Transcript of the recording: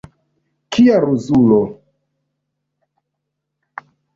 Kia ruzulo!